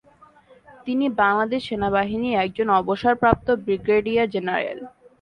তিনি বাংলাদেশ সেনাবাহিনীর একজন অবসর প্রাপ্ত ব্রিগেডিয়ার জেনারেল।